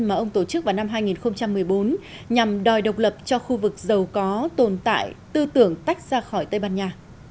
mà ông tổ chức vào năm hai nghìn một mươi bốn nhằm đòi độc lập cho khu vực giàu có tồn tại tư tưởng tách ra khỏi tây ban nha